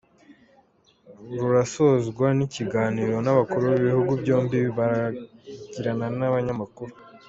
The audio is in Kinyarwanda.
Rurasozwa n’ikiganiro abakuru b’ibihugu byombi baragirana n’abanyamakuru.